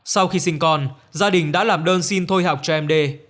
sau khi sinh con gia đình đã làm đơn xin thôi học cho em đê